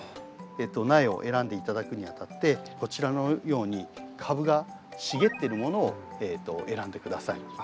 苗を選んで頂くにあたってこちらのように株が茂ってるものを選んで下さい。